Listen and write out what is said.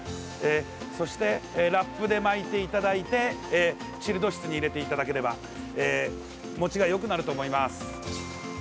そして、ラップで巻いていただいてチルド室に入れていただければもちがよくなると思います。